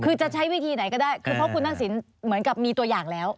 คือจะใช้วิธีไหนก็ได้คือเพราะคุณทักษิณเหมือนกับมีตัวอย่างแล้ว